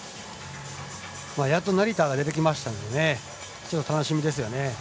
やっと成田が出てきましたので楽しみですね。